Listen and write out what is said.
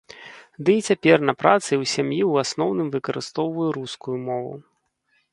Ды і цяпер па працы і ў сям'і ў асноўным выкарыстоўваю рускую мову.